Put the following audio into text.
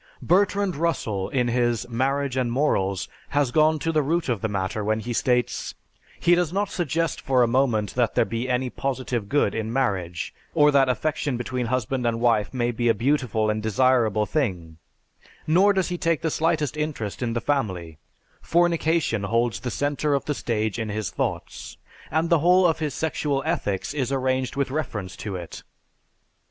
Bertrand Russell, in his "Marriage and Morals," has gone to the root of the matter when he states, "He does not suggest for a moment that there may be any positive good in marriage, or that affection between husband and wife may be a beautiful and desirable thing, nor does he take the slightest interest in the family; fornication holds the center of the stage in his thoughts, and the whole of his sexual ethics is arranged with reference to it.